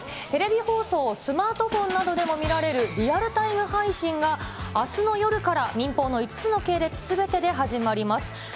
テレビ放送をスマートフォンなどでも見られる、リアルタイム配信があすの夜から、民放の５つの系列すべてで始まります。